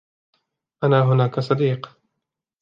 أنا هنا كصديق.